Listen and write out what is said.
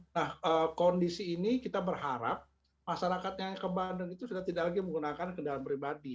nah kondisi ini kita berharap masyarakat yang ke bandung itu sudah tidak lagi menggunakan kendaraan pribadi